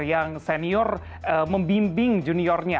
yang senior membimbing juniornya